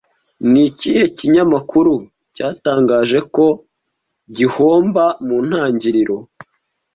Ni ikihe kinyamakuru cyatangaje ko gihomba mu ntangiriro